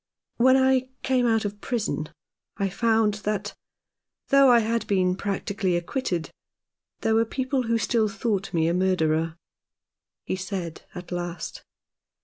"When I came out of prison I found that, though I had been practically acquitted, there were people who still thought me a murderer," he said at last.